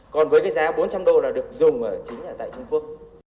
còn với cái giá bốn trăm linh đô là được dùng chính là tại trung quốc